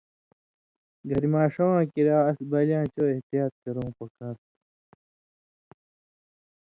گھریۡماݜہ واں کریا اس بلی یاں چو احتیاط کرؤں پکار تُھو